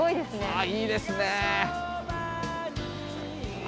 あいいですね！